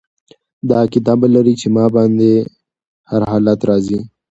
دا عقیده به لري چې په ما باندي هر حالت را ځي